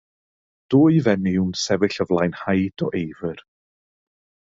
Dwy fenyw'n sefyll o flaen haid o eifr.